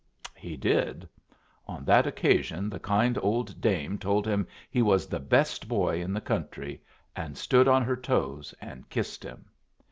He did. On that occasion the kind old dame told him he was the best boy in the country, and stood on her toes and kissed him.